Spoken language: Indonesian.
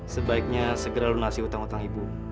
sebaiknya segera lunasi hutang hutang ibu